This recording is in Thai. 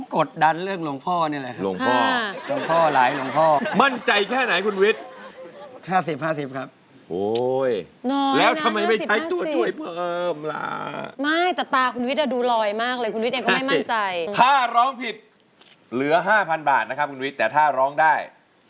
ค่ะแต่ถ้าร้องผิดเหลือ๕๐๐๐บาทนะครับถ้าร้องได้